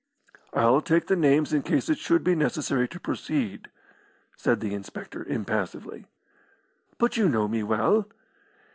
"I'll take the names in case it should be necessary to proceed," said the inspector, impassively. "But you know me well."